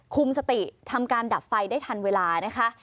คุมสติทำการดับไฟได้ทันเวลานะคะ